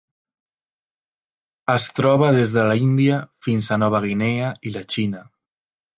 Es troba des de l'Índia fins a Nova Guinea i la Xina.